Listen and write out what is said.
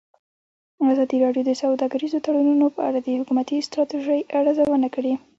ازادي راډیو د سوداګریز تړونونه په اړه د حکومتي ستراتیژۍ ارزونه کړې.